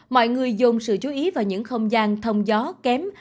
mọi người dồn sự chú ý vào những không gian thông gió kém